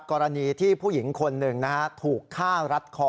กรณีที่ผู้หญิงคนหนึ่งถูกฆ่ารัดคอ